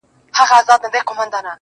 سیاه پوسي ده، شپه لېونۍ ده